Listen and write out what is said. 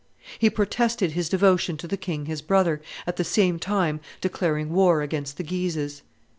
He protested his devotion to the king his brother, at the same time declaring war against the Guises.